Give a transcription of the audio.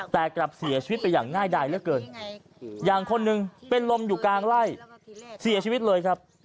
แต่กลับเสียชีวิตไปอย่างง่ายดายเหลือเกินอย่างคนหนึ่งเป็นลมอยู่กลางไล่เสียชีวิตเลยครับ